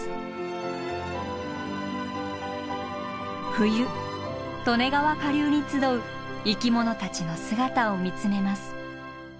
冬利根川下流に集う生き物たちの姿を見つめます。